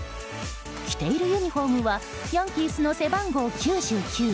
着ているユニホームはヤンキースの背番号９９